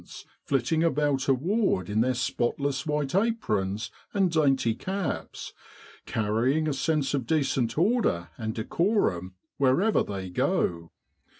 's flitting about a ward in their spotless white aprons and dainty caps, carrying a sense of decent order and decorum wherever they go.